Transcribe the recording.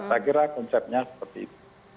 saya kira kuncinya bisa menyebabkannya